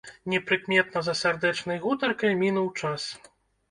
Непрыкметна за сардэчнай гутаркай мінуў час.